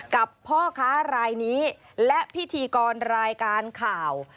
กับพ่อค้ารายนี้และพิธีกรรายการข่าว